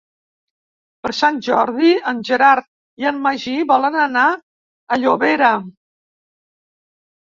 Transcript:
Per Sant Jordi en Gerard i en Magí volen anar a Llobera.